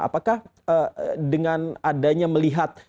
apakah dengan adanya melihat